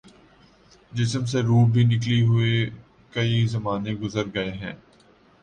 جسم سے روح بھی نکلےہوئے کئی زمانے گزر گے ہیں